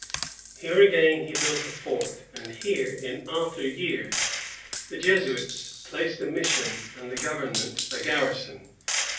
Here, again, he built a fort; and here, in after years, the Jesuits placed a mission and the government a garrison.